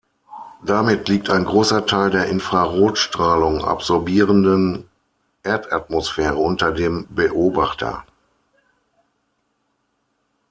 Damit liegt ein großer Teil der Infrarotstrahlung absorbierenden Erdatmosphäre unter dem Beobachter.